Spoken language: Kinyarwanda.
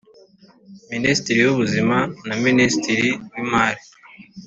Minisitiri w ubuzima na minisitiri w imari